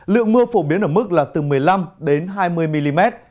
lượng mưa phổ biến ở mức là từ một mươi năm hai mươi mm